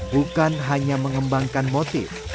bukan hanya mengembangkan motif